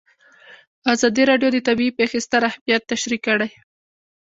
ازادي راډیو د طبیعي پېښې ستر اهميت تشریح کړی.